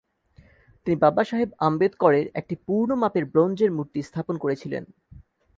তিনি বাবাসাহেব আম্বেদকরের একটি পূর্ণ মাপের ব্রোঞ্জের মূর্তি স্থাপন করেছিলেন।